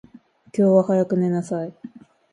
今日は早く寝なさい。